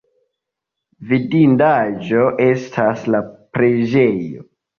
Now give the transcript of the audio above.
Vidindaĵo estas la preĝejo.